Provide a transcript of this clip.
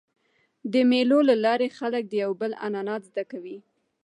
د مېلو له لاري خلک د یو بل عنعنات زده کوي.